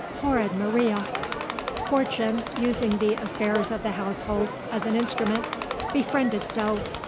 Horrid Maria!" Fortune, using the affairs of the household as an instrument, befriended Zo.